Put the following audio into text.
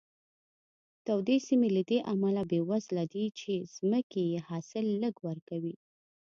تودې سیمې له دې امله بېوزله دي چې ځمکې یې حاصل لږ ورکوي.